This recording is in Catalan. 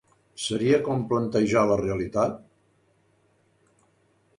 Seria com plantejar la realitat?